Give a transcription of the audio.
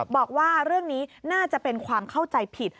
บอกว่าเรื่องนี้น่าจะเป็นความเข้าใจผิด